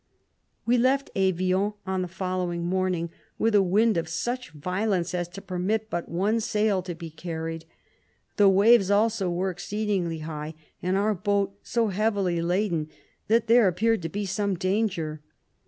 We left Evian on the following morn ing, with a wind of such violence as to permit but one sail to be carried. The waves also were exceedingly high, and our boat so heavily laden, that there appeared to be some danger.